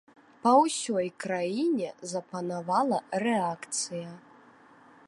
Па ўсёй краіне запанавала рэакцыя.